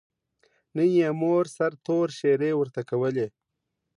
نن یې مور سرتور ښېرې ورته کولې.